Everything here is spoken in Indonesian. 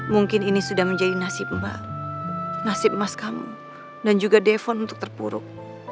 mungkin ini sudah menjadi nasib mbak nasib emas kamu dan juga defon untuk terpuruk